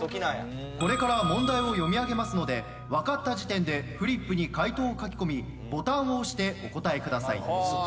これから問題を読み上げますので分かった時点でフリップに解答を書き込みボタンを押してお答えください。